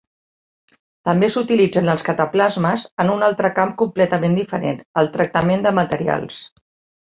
També s'utilitzen els cataplasmes en un altre camp completament diferent: el tractament de materials.